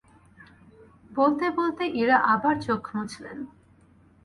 বলতে-বলতে ইরা আবার চোখ মুছলেন।